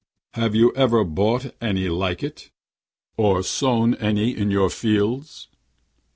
Have you ever bought any like it, or sown any in your fields?'